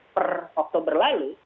per oktober lalu